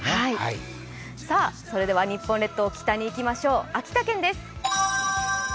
日本列島、北に行きましょう、秋田県です。